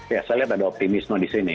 ya saya lihat ada optimisme di sini